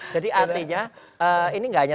jadi artinya ini enggak hanya